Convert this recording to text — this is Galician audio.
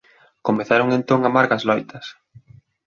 Comezaron entón amargas loitas.